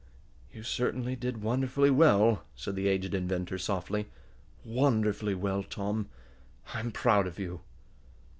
"You certainly did wonderfully well," said the aged inventor, softly. "Wonderfully well, Tom. I'm proud of you."